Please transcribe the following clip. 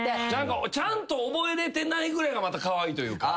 ちゃんと覚えられてないぐらいがまたカワイイというか。